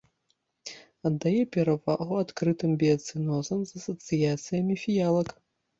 Аддае перавагу адкрытым біяцэнозам з асацыяцыямі фіялак.